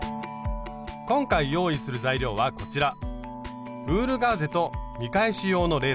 今回用意する材料はこちら。